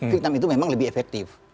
vietnam itu memang lebih efektif